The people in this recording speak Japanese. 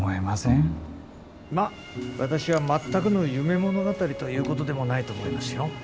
まあ私は全くの夢物語ということでもないと思いますよ。